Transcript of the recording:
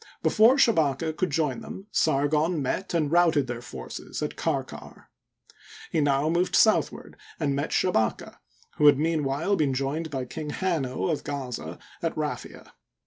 Before Shabaka could join them, Sargon met and routed their forces at Karkar, He now moved southward, and met Shabaka, who had meanwhile been joined by King Hanno, of Gaza, at Raphia.